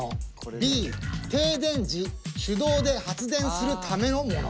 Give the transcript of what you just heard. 「Ｂ」停電時手動で発電するためのもの。